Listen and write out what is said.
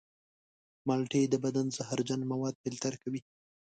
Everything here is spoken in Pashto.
مالټې د بدن زهرجن مواد فلتر کوي.